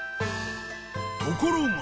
［ところが］